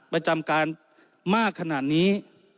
ประจำการมากขนาดนี้